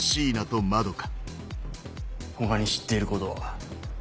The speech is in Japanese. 他に知っていることは？